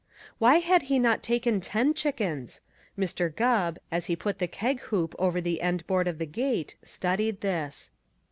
Why had he not taken ten chickens? Mr. Gubb, as he put the keg hoop over the end board of the gate, studied this.